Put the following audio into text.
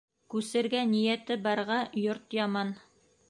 Күсергә ниәте барға йорт яман.